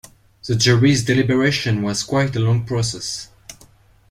The jury's deliberation was quite a long process.